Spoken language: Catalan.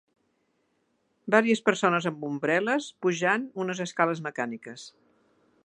Vàries persones amb ombrel·les pujant unes escales mecàniques.